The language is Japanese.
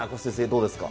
どうですか。